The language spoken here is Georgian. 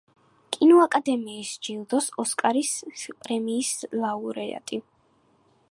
კინოაკადემიის ჯილდოს ოსკარის პრემიის ლაურეატი.